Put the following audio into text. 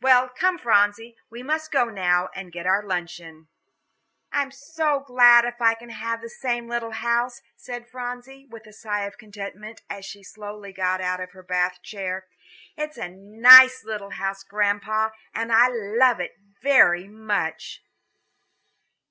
"Well, come, Phronsie, we must go now and get our luncheon." "I am so glad if I can have the same little house," said Phronsie, with a sigh of contentment, as she slowly got out of her Bath chair. "It is a nice little house, Grandpapa, and I love it very much."